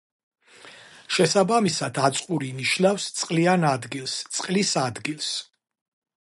შესაბამისად, აწყური ნიშნავს წყლიან ადგილს, წყლის ადგილს.